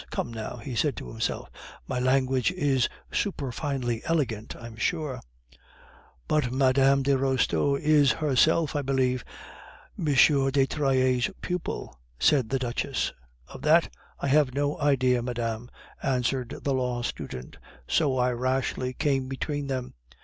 ("Come, now," he said to himself, "my language is superfinely elegant, I'm sure.") "But Mme. de Restaud is herself, I believe, M. de Trailles' pupil," said the Duchess. "Of that I had no idea, madame," answered the law student, "so I rashly came between them.